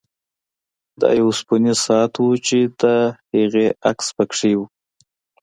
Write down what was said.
دا یو اوسپنیز ساعت و چې د هغې عکس پکې و